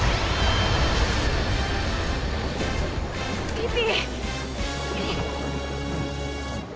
ピピ！